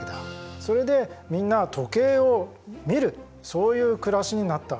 それでみんな時計を見るそういう暮らしになったわけ。